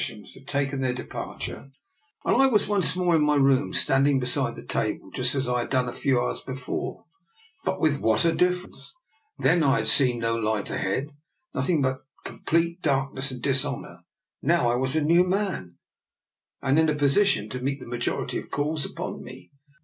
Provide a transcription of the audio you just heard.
sions had taken their departure, and I was once more in my room standing beside the table, just as I had done a few hours before, but with what a difference! Then I had seen no light ahead, nothing but complete dark ness and dishonour; now I was a new man, and in a position to meet the majority of calls upon me.